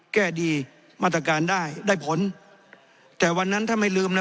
แก้ดีมาตรการได้ได้ผลแต่วันนั้นถ้าไม่ลืมนะ